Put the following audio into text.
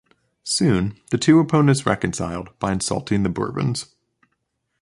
Soon the two opponents reconciled by insulting the Bourbons.